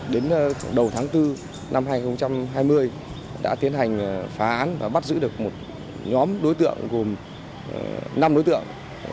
đến đầu tháng bốn năm hai nghìn hai mươi đã tiến hành phá án và bắt giữ được một nhóm đối tượng gồm năm đối tượng